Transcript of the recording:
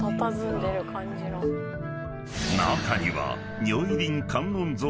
［中には］